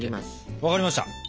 分かりました。